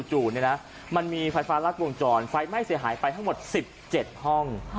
มันมีไฟฟ้ารัดวงจรไฟไหม้เสียหายไปทั้งหมด๑๗ห้อง